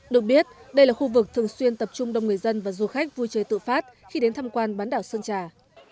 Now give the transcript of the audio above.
được biết đây là khu vực thường xuyên tập trung đông người dân và du khách vui chơi tự phát khi đến tham quan bán đảo sơn trà